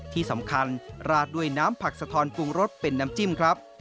ที่สำคัญราดด้วยน้ำผักสะทอนปรุงรสเป็นน้ำจิ้มครับ